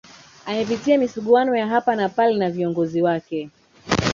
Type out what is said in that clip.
Amepitia misuguano ya hapa na pale na viongozi wake